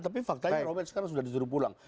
tapi faktanya robet sekarang sudah diurut pulang